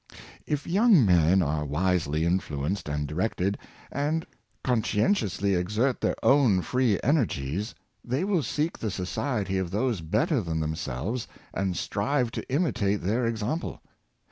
If young men are wisely influenced and directed, and conscientiously exert their own free energies, they will seek the society of those better than themselves, and strive to imitate their example.